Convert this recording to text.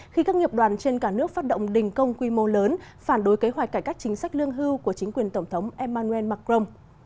khi các nghiệp đoàn trên cả nước phát động đình công quy mô lớn phản đối kế hoạch cải cách chính sách lương hưu của chính quyền tổng thống emmanuel macron